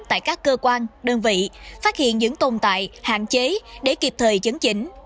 tại các cơ quan đơn vị phát hiện những tồn tại hạn chế để kịp thời chấn chỉnh